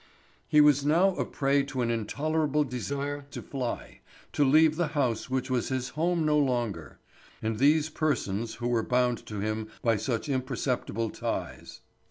He was now a prey to an intolerable desire to fly, to leave the house which was his home no longer, and these persons who were bound to him by such imperceptible ties.